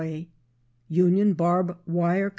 Union Barb Wire Co.